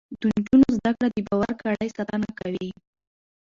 د نجونو زده کړه د باور کړۍ ساتنه کوي.